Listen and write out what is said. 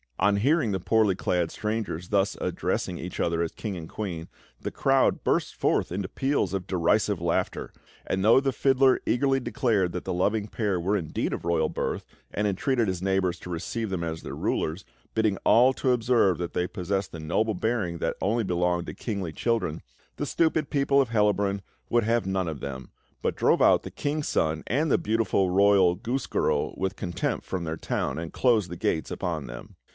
On hearing the poorly clad strangers thus addressing each other as king and queen, the crowd burst forth into peals of derisive laughter; and though the fiddler eagerly declared that the loving pair were indeed of royal birth and entreated his neighbours to receive them as their rulers, bidding all to observe that they possessed the noble bearing that only belonged to kingly children, the stupid people of Hellabrunn would have none of them, but drove out the King's Son and the beautiful royal goose girl with contumely from their town, and closed the gates upon them.